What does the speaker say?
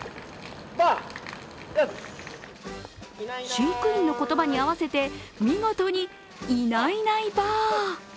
飼育員の言葉に合わせて見事にいないいないばぁ。